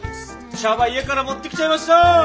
茶葉家から持ってきちゃいました。